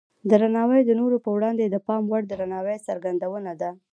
درناوی د نورو په وړاندې د پام وړ درناوي څرګندونه ده.